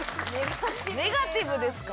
ネガティブですか？